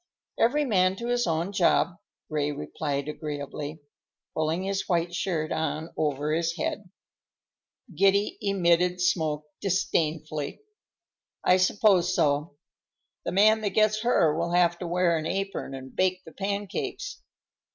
"Every man to his own job," Ray replied agreeably, pulling his white shirt on over his head. Giddy emitted smoke disdainfully. "I suppose so. The man that gets her will have to wear an apron and bake the pancakes.